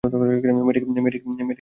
মেয়েটিকে মেনে নিবে?